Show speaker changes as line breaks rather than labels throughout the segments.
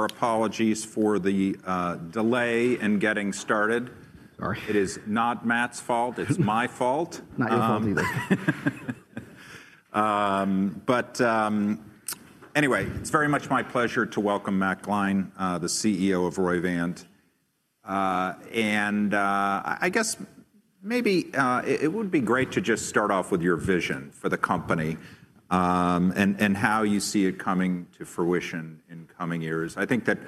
Our apologies for the delay in getting started.
Sorry.
It is not Matt's fault. It's my fault.
Not your fault either.
Anyway, it's very much my pleasure to welcome Matt Gline, the CEO of Roivant. I guess maybe it would be great to just start off with your vision for the company and how you see it coming to fruition in coming years. I think that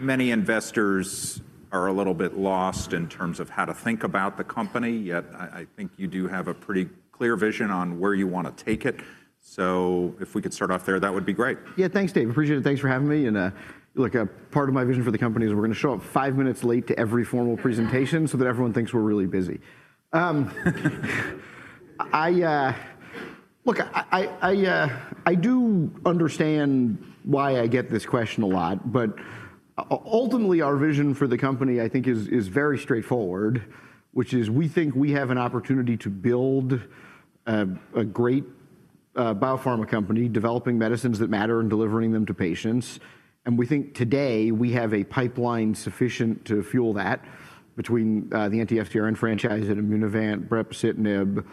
many investors are a little bit lost in terms of how to think about the company, yet I think you do have a pretty clear vision on where you want to take it. If we could start off there, that would be great.
Yeah, thanks, Dave. Appreciate it. Thanks for having me. Look, part of my vision for the company is we're going to show u p five minutes late to every formal presentation so that everyone thinks we're really busy. I do understand why I get this question a lot, but ultimately our vision for the company, I think, is very straightforward, which is we think we have an opportunity to build a great biopharma company developing medicines that matter and delivering them to patients. We think today we have a pipeline sufficient to fuel that between the anti-FcRn franchise at Immunovant, brepocitinib,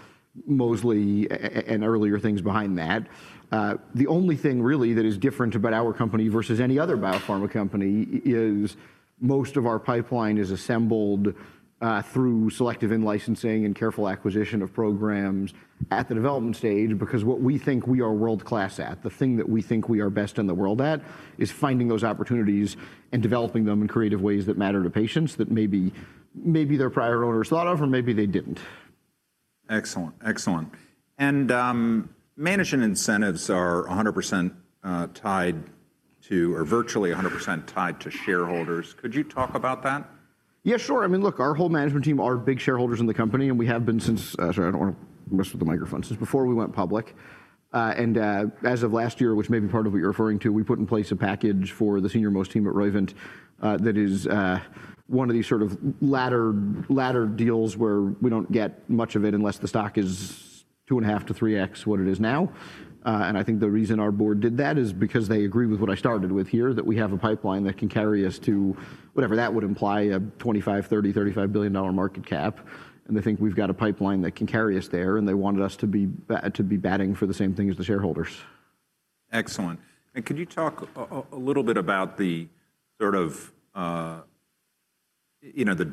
mosliciguat, and earlier things behind that. The only thing really that is different about our company versus any other biopharma company is most of our pipeline is assembled through selective in-licensing and careful acquisition of programs at the development stage, because what we think we are world-class at, the thing that we think we are best in the world at, is finding those opportunities and developing them in creative ways that matter to patients that maybe their prior owners thought of, or maybe they did not.
Excellent. Excellent. Management incentives are 100% tied to, or virtually 100% tied to shareholders. Could you talk about that?
Yeah, sure. I mean, look, our whole management team are big shareholders in the company, and we have been since—sorry, I don't want to mess with the microphone—since before we went public. As of last year, which may be part of what you're referring to, we put in place a package for the senior most team at Roivant that is one of these sort of ladder deals where we don't get much of it unless the stock is two and a half to three X what it is now. I think the reason our board did that is because they agreed with what I started with here, that we have a pipeline that can carry us to whatever that would imply, a $25 billion, $30 billion, $35 billion market cap. They think we've got a pipeline that can carry us there, and they wanted us to be batting for the same thing as the shareholders.
Excellent. Could you talk a little bit about the sort of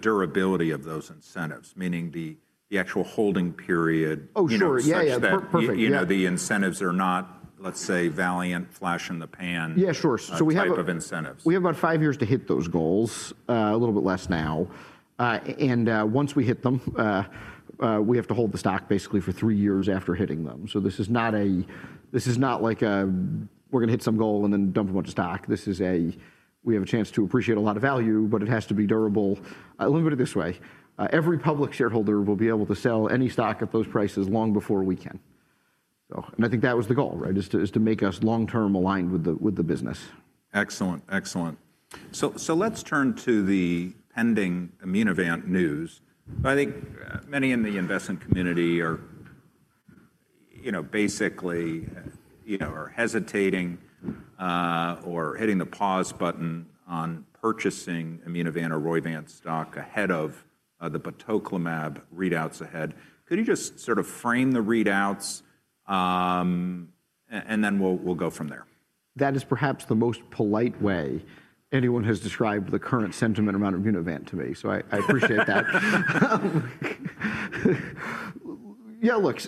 durability of those incentives, meaning the actual holding period?
Oh, sure. Yeah, yeah, perfect.
The incentives are not, let's say, Valeant, flash in the pan.
Yeah, sure. We have about five years to hit those goals, a little bit less now. Once we hit them, we have to hold the stock basically for three years after hitting them. This is not like we're going to hit some goal and then dump a bunch of stock. This is a—we have a chance to appreciate a lot of value, but it has to be durable. Let me put it this way: every public shareholder will be able to sell any stock at those prices long before we can. I think that was the goal, right, is to make us long-term aligned with the business.
Excellent. Excellent. Let's turn to the pending Immunovant news. I think many in the investment community are basically hesitating or hitting the pause button on purchasing Immunovant or Roivant stock ahead of the batoclimab readouts ahead. Could you just sort of frame the readouts, and then we'll go from there?
That is perhaps the most polite way anyone has described the current sentiment around Immunovant to me, so I appreciate that. Yeah, look,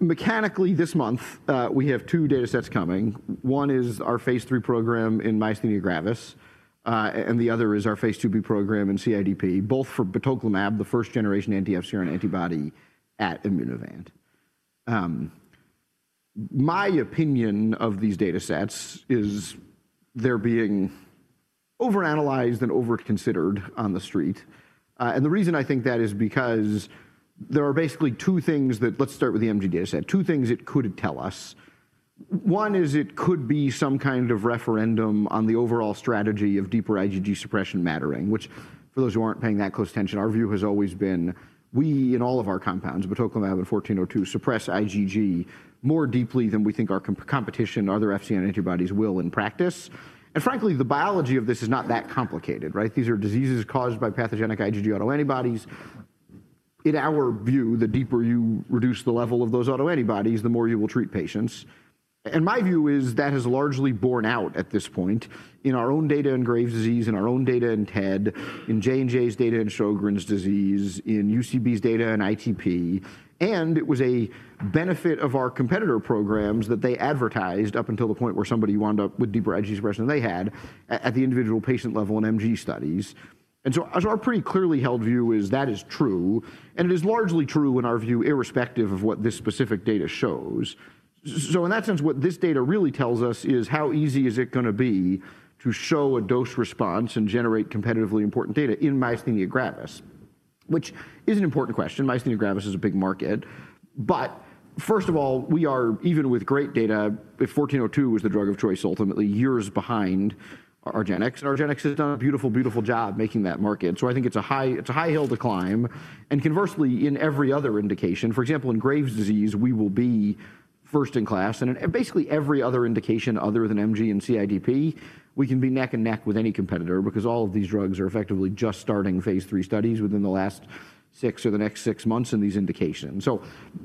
mechanically this month we have two data sets coming. One is our phase III program in myasthenia gravis, and the other is our Phase 2b program in CIDP, both for batoclimab, the first generation anti-FcRn antibody at Immunovant. My opinion of these data sets is they're being overanalyzed and overconsidered on the street. The reason I think that is because there are basically two things that—let's start with the MG data set, two things it could tell us. One is it could be some kind of referendum on the overall strategy of deeper IgG suppression mattering, which for those who aren't paying that close attention, our view has always been we, in all of our compounds, batoclimab and 1402, suppress IgG more deeply than we think our competition, other FcRn antibodies, will in practice. Frankly, the biology of this is not that complicated, right? These are diseases caused by pathogenic IgG autoantibodies. In our view, the deeper you reduce the level of those autoantibodies, the more you will treat patients. My view is that has largely borne out at this point in our own data in Graves' disease, in our own data in TED, in J&J's data in Sjögren's disease, in UCB's data in ITP. It was a benefit of our competitor programs that they advertised up until the point where somebody wound up with deeper IgG suppression than they had at the individual patient level in MG studies. Our pretty clearly held view is that is true, and it is largely true in our view, irrespective of what this specific data shows. In that sense, what this data really tells us is how easy is it going to be to show a dose response and generate competitively important data in myasthenia gravis, which is an important question. Myasthenia gravis is a big market. First of all, we are, even with great data, if 1402 was the drug of choice, ultimately years behind Argenx. Argenx has done a beautiful, beautiful job making that market. I think it's a high hill to climb. Conversely, in every other indication, for example, in Graves' disease, we will be first in class. Basically every other indication other than MG and CIDP, we can be neck and neck with any competitor because all of these drugs are effectively just starting phase III studies within the last six or the next six months in these indications.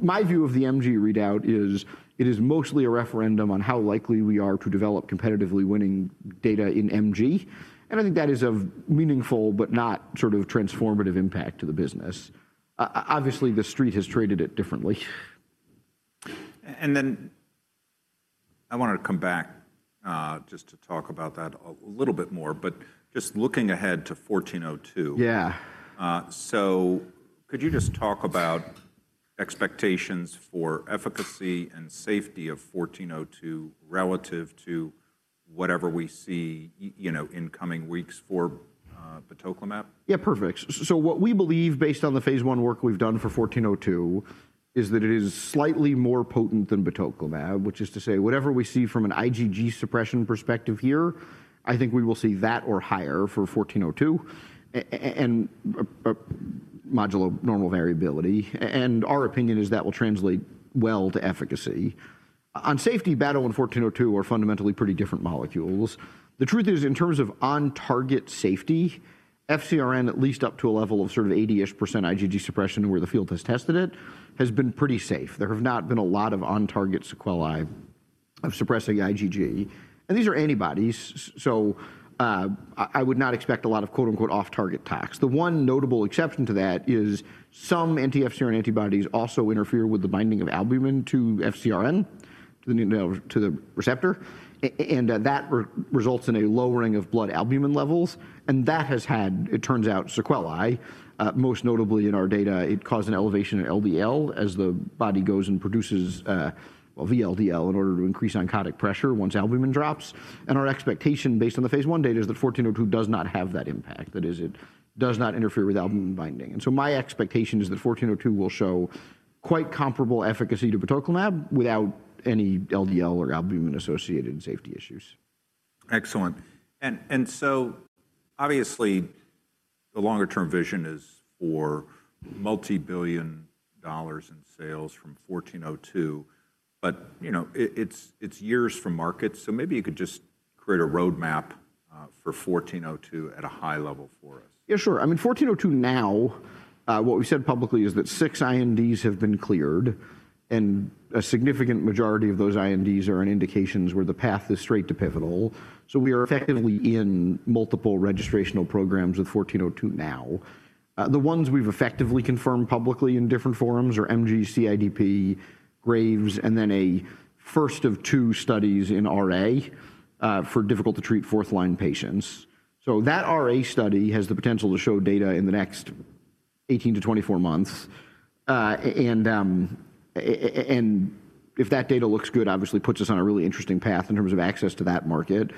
My view of the MG readout is it is mostly a referendum on how likely we are to develop competitively winning data in MG. I think that is of meaningful but not sort of transformative impact to the business. Obviously, the street has traded it differently.
I want to come back just to talk about that a little bit more, but just looking ahead to 1402.
Yeah.
Could you just talk about expectations for efficacy and safety of 1402 relative to whatever we see in coming weeks for batoclimab?
Yeah, perfect. What we believe, based on the phase I work we've done for 1402, is that it is slightly more potent than batoclimab, which is to say whatever we see from an IgG suppression perspective here, I think we will see that or higher for 1402 and modular normal variability. Our opinion is that will translate well to efficacy. On safety, batoclimab and 1402 are fundamentally pretty different molecules. The truth is, in terms of on-target safety, FcRn, at least up to a level of sort of 80% IgG suppression where the field has tested it, has been pretty safe. There have not been a lot of on-target sequelae of suppressing IgG. These are antibodies, so I would not expect a lot of "off-target" tox. The one notable exception to that is some anti-FcRn antibodies also interfere with the binding of albumin to FcRn, to the receptor, and that results in a lowering of blood albumin levels. That has had, it turns out, sequelae, most notably in our data. It caused an elevation in LDL as the body goes and produces VLDL in order to increase oncotic pressure once albumin drops. Our expectation based on the phase I data is that 1402 does not have that impact. That is, it does not interfere with albumin binding. My expectation is that 1402 will show quite comparable efficacy to batoclimab without any LDL or albumin-associated safety issues.
Excellent. Obviously the longer-term vision is for multibillion dollars in sales from 1402, but it's years from market. Maybe you could just create a roadmap for 1402 at a high level for us.
Yeah, sure. I mean, 1402 now, what we've said publicly is that six INDs have been cleared, and a significant majority of those INDs are in indications where the path is straight to pivotal. We are effectively in multiple registrational programs with 1402 now. The ones we've effectively confirmed publicly in different forums are MG, CIDP, Graves, and then a first of two studies in RA for difficult-to-treat fourth-line patients. That RA study has the potential to show data in the next 18 months-24 months. If that data looks good, obviously puts us on a really interesting path in terms of access to that market.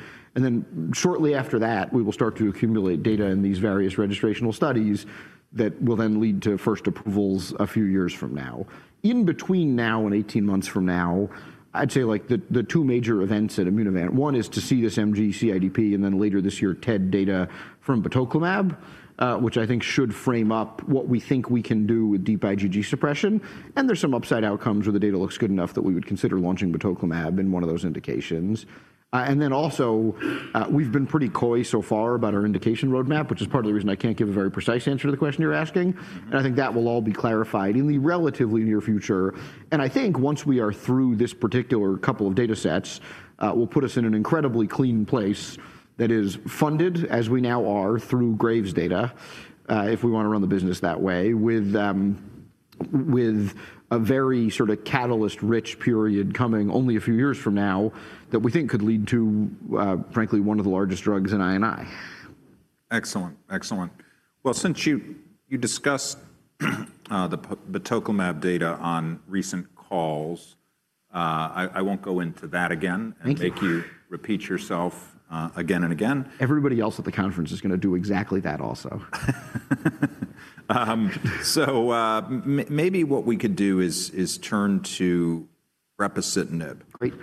Shortly after that, we will start to accumulate data in these various registrational studies that will then lead to first approvals a few years from now. In between now and 18 months from now, I'd say the two major events at Immunovant, one is to see this MG, CIDP, and then later this year TED data from batoclimab, which I think should frame up what we think we can do with deep IgG suppression. There are some upside outcomes where the data looks good enough that we would consider launching batoclimab in one of those indications. Also, we've been pretty coy so far about our indication roadmap, which is part of the reason I can't give a very precise answer to the question you're asking. I think that will all be clarified in the relatively near future. I think once we are through this particular couple of data sets, it will put us in an incredibly clean place that is funded, as we now are, through Graves' data, if we want to run the business that way, with a very sort of catalyst-rich period coming only a few years from now that we think could lead to, frankly, one of the largest drugs in I&I.
Excellent. Excellent. Since you discussed the batoclimab data on recent calls, I won't go into that again and make you repeat yourself again and again.
Everybody else at the conference is going to do exactly that also.
Maybe what we could do is turn to brepocitinib.
Great.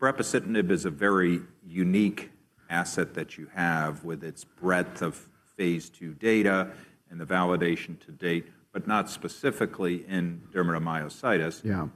Brepocitinib is a very unique asset that you have with its breadth of phase II data and the validation to date, but not specifically in dermatomyositis.
Yeah.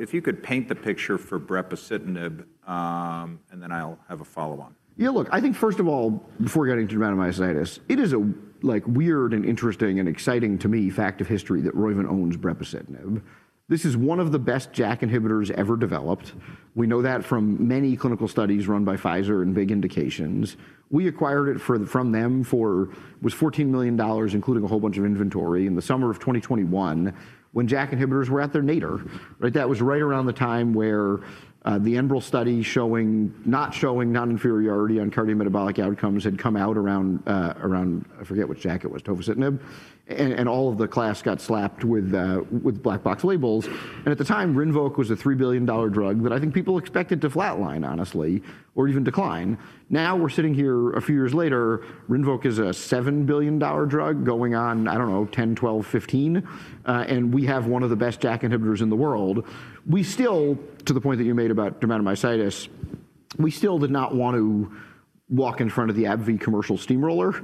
If you could paint the picture for brepocitinib, and then I'll have a follow-on.
Yeah, look, I think first of all, before getting to dermatomyositis, it is a weird and interesting and exciting to me fact of history that Roivant owns brepocitinib. This is one of the best JAK inhibitors ever developed. We know that from many clinical studies run by Pfizer and big indications. We acquired it from them for, it was $14 million, including a whole bunch of inventory in the summer of 2021 when JAK inhibitors were at their nadir. That was right around the time where the Enbrel study showing not showing non-inferiority on cardiometabolic outcomes had come out around, I forget which JAK it was, tofacitinib, and all of the class got slapped with black box labels. At the time, Rinvoq was a $3 billion drug that I think people expected to flatline, honestly, or even decline. Now we're sitting here a few years later, Rinvoq is a $7 billion drug going on, I don't know, $10 billion, $12 billion, $15 billion, and we have one of the best JAK inhibitors in the world. We still, to the point that you made about dermatomyositis, we still did not want to walk in front of the AbbVie commercial steamroller.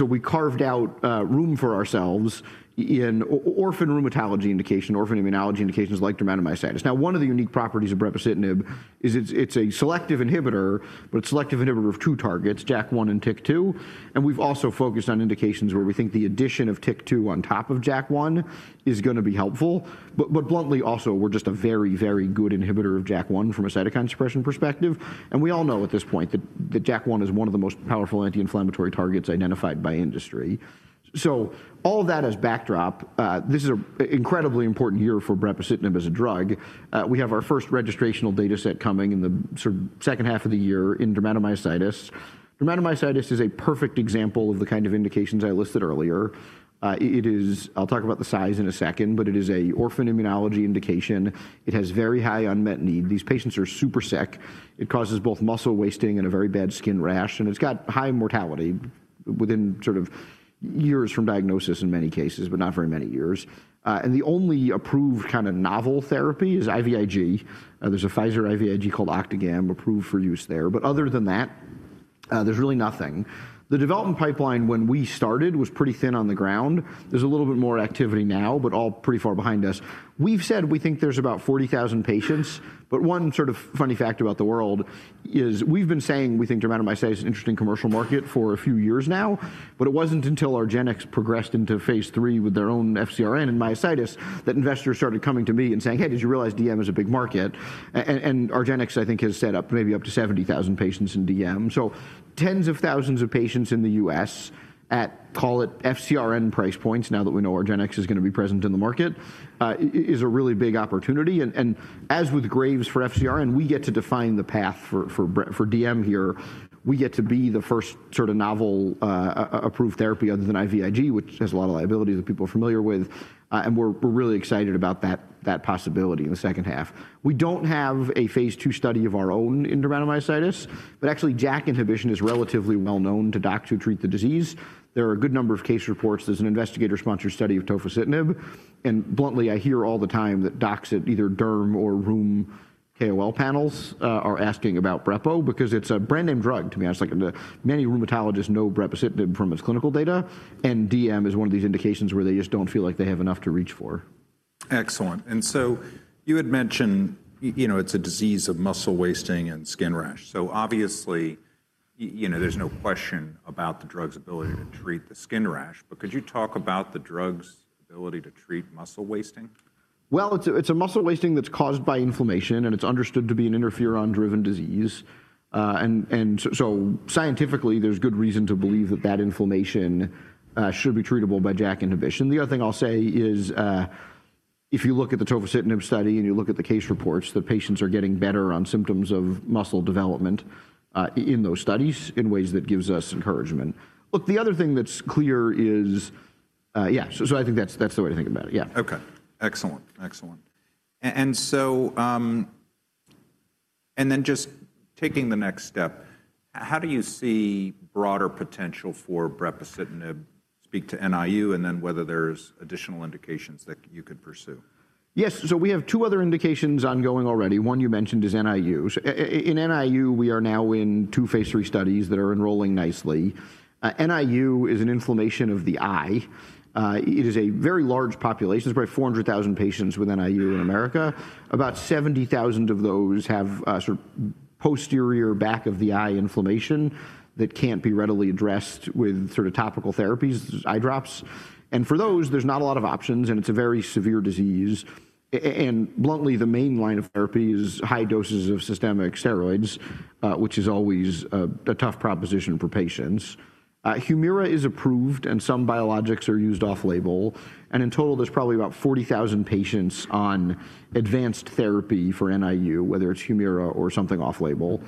We carved out room for ourselves in orphan rheumatology indication, orphan immunology indications like dermatomyositis. Now, one of the unique properties of brepocitinib is it's a selective inhibitor, but it's a selective inhibitor of two targets, JAK1 and TYK2. We've also focused on indications where we think the addition of TYK2 on top of JAK1 is going to be helpful. Bluntly, also we're just a very, very good inhibitor of JAK1 from a cytokine suppression perspective. We all know at this point that JAK1 is one of the most powerful anti-inflammatory targets identified by industry. All of that as backdrop, this is an incredibly important year for brepocitinib as a drug. We have our first registrational data set coming in the second half of the year in dermatomyositis. Dermatomyositis is a perfect example of the kind of indications I listed earlier. I'll talk about the size in a second, but it is an orphan immunology indication. It has very high unmet need. These patients are super sick. It causes both muscle wasting and a very bad skin rash, and it's got high mortality within sort of years from diagnosis in many cases, but not very many years. The only approved kind of novel therapy is IVIG. There's a Pfizer IVIG called Octagam approved for use there. Other than that, there's really nothing. The development pipeline when we started was pretty thin on the ground. There's a little bit more activity now, but all pretty far behind us. We've said we think there's about 40,000 patients. One sort of funny fact about the world is we've been saying we think dermatomyositis is an interesting commercial market for a few years now, but it wasn't until Argenx progressed into phase III with their own FcRn and myositis that investors started coming to me and saying, "Hey, did you realize DM is a big market?" Argenx, I think, has set up maybe up to 70,000 patients in DM. Tens of thousands of patients in the U.S. at, call it FcRn price points now that we know Argenx is going to be present in the market, is a really big opportunity. As with Graves for FcRn, we get to define the path for DM here. We get to be the first sort of novel approved therapy other than IVIG, which has a lot of liability that people are familiar with. We are really excited about that possibility in the second half. We do not have a phase II study of our own in dermatomyositis, but actually JAK inhibition is relatively well known to docs who treat the disease. There are a good number of case reports. There is an investigator-sponsored study of tofacitinib. Bluntly, I hear all the time that docs at either derm or rheum KOL panels are asking about brepocitinib because it is a brand name drug to me. It's like many rheumatologists know brepocitinib from its clinical data, and DM is one of these indications where they just don't feel like they have enough to reach for.
Excellent. You had mentioned it's a disease of muscle wasting and skin rash. Obviously, there's no question about the drug's ability to treat the skin rash, but could you talk about the drug's ability to treat muscle wasting?
It's a muscle wasting that's caused by inflammation, and it's understood to be an interferon-driven disease. And so scientifically, there's good reason to believe that that inflammation should be treatable by JAK inhibition. The other thing I'll say is if you look at the tofacitinib study and you look at the case reports, the patients are getting better on symptoms of muscle development in those studies in ways that gives us encouragement. Look, the other thing that's clear is, yeah, so I think that's the way to think about it. Yeah.
Okay. Excellent. Excellent. Taking the next step, how do you see broader potential for brepocitinib? Speak to NIU and then whether there's additional indications that you could pursue.
Yes. We have two other indications ongoing already. One you mentioned is NIU. In NIU, we are now in two phase III studies that are enrolling nicely. NIU is an inflammation of the eye. It is a very large population. It is about 400,000 patients with NIU in America. About 70,000 patients of those have sort of posterior back of the eye inflammation that cannot be readily addressed with topical therapies, eye drops. For those, there are not a lot of options, and it is a very severe disease. Bluntly, the main line of therapy is high doses of systemic steroids, which is always a tough proposition for patients. Humira is approved, and some biologics are used off-label. In total, there are probably about 40,000 patients on advanced therapy for NIU, whether it is Humira or something off-label.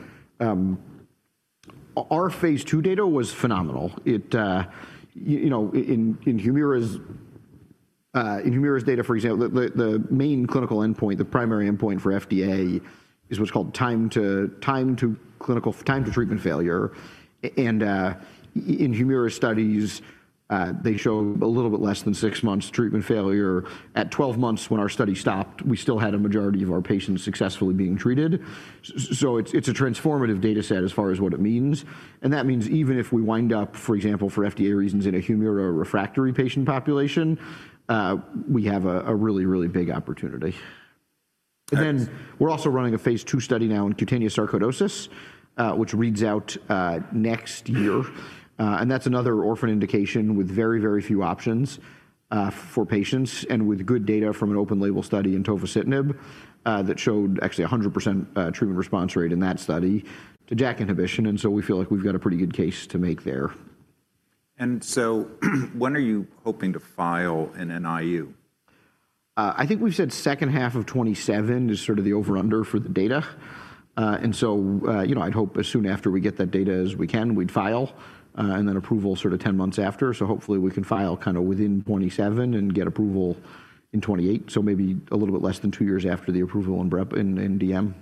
Our phase II data was phenomenal. In Humira's data, for example, the main clinical endpoint, the primary endpoint for FDA is what's called time to clinical time to treatment failure. In Humira's studies, they show a little bit less than six months treatment failure. At 12 months when our study stopped, we still had a majority of our patients successfully being treated. It is a transformative data set as far as what it means. That means even if we wind up, for example, for FDA reasons in a Humira refractory patient population, we have a really, really big opportunity. We are also running a phase II study now in cutaneous sarcoidosis, which reads out next year. That is another orphan indication with very, very few options for patients and with good data from an open label study in tofacitinib that showed actually a 100% treatment response rate in that study to JAK inhibition. And so we feel like we've got a pretty good case to make there.
When are you hoping to file in NIU?
I think we've said second half of 2027 is sort of the over/under for the data. I'd hope as soon after we get that data as we can, we'd file and then approval sort of 10 months after. Hopefully we can file kind of within 2027 and get approval in 2028. Maybe a little bit less than two years after the approval in DM.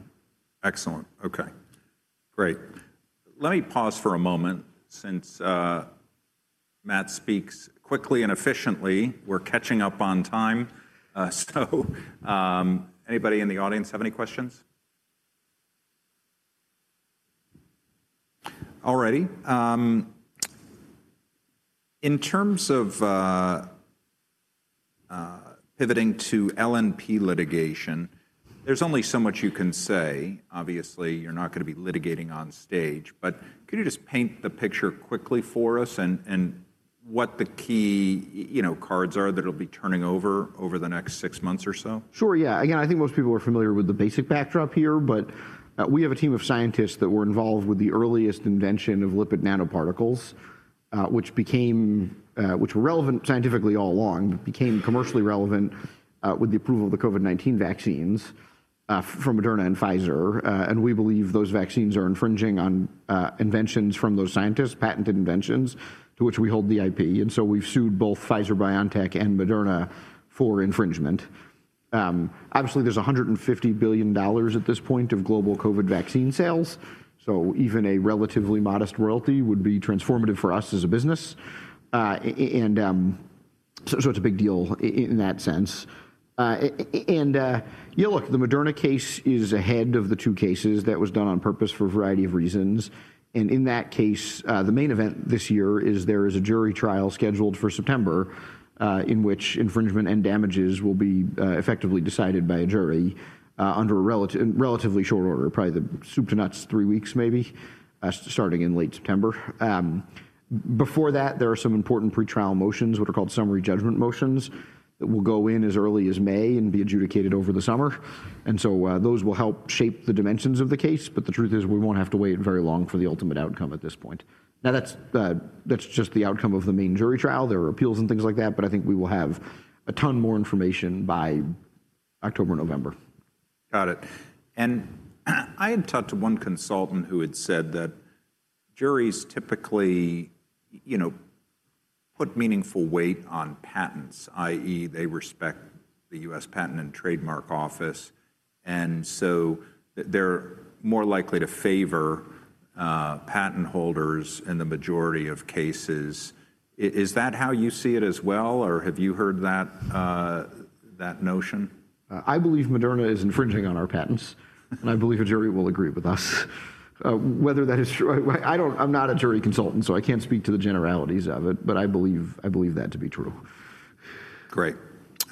Excellent. Okay. Great. Let me pause for a moment since Matt speaks quickly and efficiently. We're catching up on time. Does anybody in the audience have any questions? All righty. In terms of pivoting to LNP litigation, there's only so much you can say. Obviously, you're not going to be litigating on stage. Could you just paint the picture quickly for us and what the key cards are that'll be turning over over the next six months or so?
Sure. Yeah. Again, I think most people are familiar with the basic backdrop here, but we have a team of scientists that were involved with the earliest invention of lipid nanoparticles, which became relevant scientifically all along, became commercially relevant with the approval of the COVID-19 vaccines from Moderna and Pfizer. We believe those vaccines are infringing on inventions from those scientists, patented inventions, to which we hold the IP. We have sued both Pfizer-BioNTech and Moderna for infringement. Obviously, there is $150 billion at this point of global COVID vaccine sales. Even a relatively modest royalty would be transformative for us as a business. It is a big deal in that sense. Yeah, look, the Moderna case is ahead of the two cases. That was done on purpose for a variety of reasons. In that case, the main event this year is there is a jury trial scheduled for September in which infringement and damages will be effectively decided by a jury under a relatively short order, probably the soup to nuts, three weeks maybe, starting in late September. Before that, there are some important pretrial motions, what are called summary judgment motions, that will go in as early as May and be adjudicated over the summer. Those will help shape the dimensions of the case. The truth is we won't have to wait very long for the ultimate outcome at this point. Now, that's just the outcome of the main jury trial. There are appeals and things like that, but I think we will have a ton more information by October or November.
Got it. I had talked to one consultant who had said that juries typically put meaningful weight on patents, i.e., they respect the U.S. Patent and Trademark Office. They are more likely to favor patent holders in the majority of cases. Is that how you see it as well, or have you heard that notion?
I believe Moderna is infringing on our patents, and I believe a jury will agree with us. Whether that is true, I'm not a jury consultant, so I can't speak to the generalities of it, but I believe that to be true.
Great.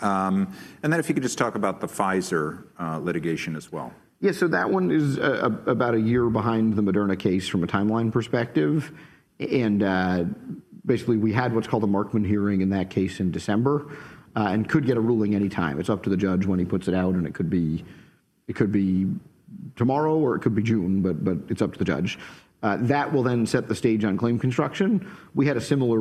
If you could just talk about the Pfizer litigation as well.
Yeah. That one is about a year behind the Moderna case from a timeline perspective. Basically, we had what's called a Markman hearing in that case in December and could get a ruling anytime. It's up to the judge when he puts it out, and it could be tomorrow or it could be June, but it's up to the judge. That will then set the stage on claim construction. We had a similar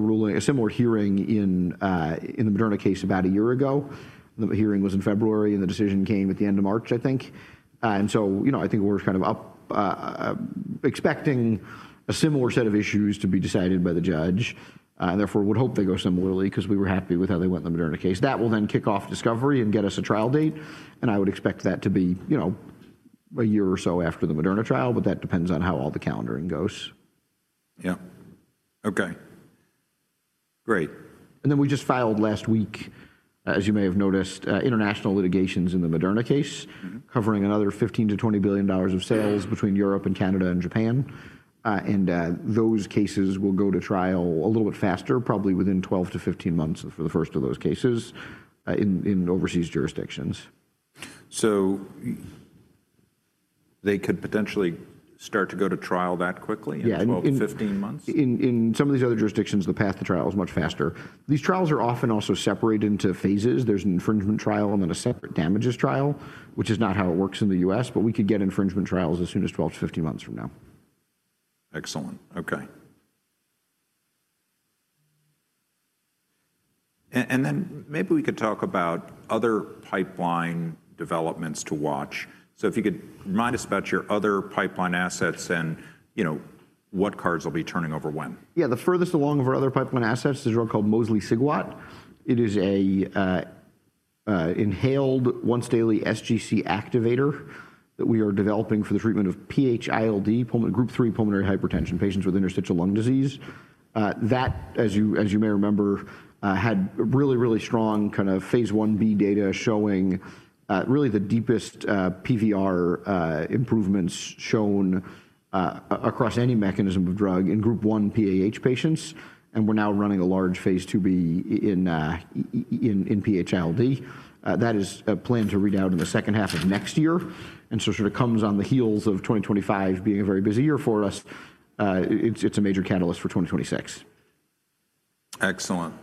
hearing in the Moderna case about a year ago. The hearing was in February, and the decision came at the end of March, I think. I think we're kind of expecting a similar set of issues to be decided by the judge. Therefore, we would hope they go similarly because we were happy with how they went in the Moderna case. That will then kick off discovery and get us a trial date. I would expect that to be a year or so after the Moderna trial, but that depends on how all the calendaring goes.
Yeah. Okay. Great.
We just filed last week, as you may have noticed, international litigations in the Moderna case covering another $15 billion-$20 billion of sales between Europe and Canada and Japan. Those cases will go to trial a little bit faster, probably within 12-15 months for the first of those cases in overseas jurisdictions.
They could potentially start to go to trial that quickly in 12 to 15 months?
In some of these other jurisdictions, the path to trial is much faster. These trials are often also separated into phases. There's an infringement trial and then a separate damages trial, which is not how it works in the U.S., but we could get infringement trials as soon as 12 months-15 months from now.
Excellent. Okay. Maybe we could talk about other pipeline developments to watch. If you could remind us about your other pipeline assets and what cards will be turning over when.
Yeah. The furthest along of our other pipeline assets is a drug called mosliciguat. It is an inhaled once-daily sGC activator that we are developing for the treatment of PH-ILD, group three pulmonary hypertension, patients with interstitial lung disease. That, as you may remember, had really, really strong kind of Phase 1b data showing really the deepest PVR improvements shown across any mechanism of drug in group one PAH patients. We are now running a large Phase 2b in PH-ILD. That is planned to read out in the second half of next year. It sort of comes on the heels of 2025 being a very busy year for us. It is a major catalyst for 2026.
Excellent.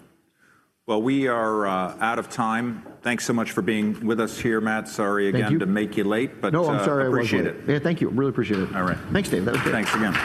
We are out of time. Thanks so much for being with us here, Matt. Sorry again to make you late, but.
No, I'm sorry.
Appreciate it.
Yeah, thank you. Really appreciate it.
All right.
Thanks, Dave.
Thanks again.